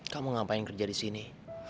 kamu ngapain kerja di sini